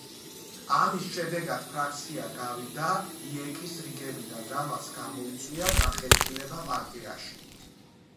ამის შედეგად ფრაქცია გავიდა იეკ-ის რიგებიდან, რამაც გამოიწვია განხეთქილება პარტიაში.